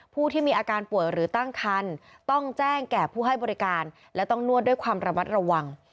ผู้ที่มีอาการป่วยหรือตั้งคันต้องแจ้งแก่ผู้ให้บริการและต้องนวดด้วยความระมัดระวัง